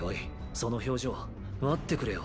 その表情待ってくれよ。